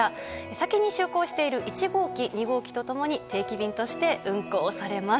先に就航している１号機２号機と共に定期便として運航されます。